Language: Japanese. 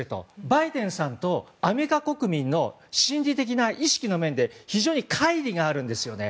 バイデンさんとアメリカ国民の心理的な意識の面で非常に乖離があるんですよね。